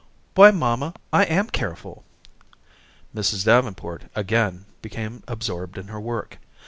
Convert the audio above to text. "Why, mamma, I am careful." Mrs. Davenport again became absorbed in her work.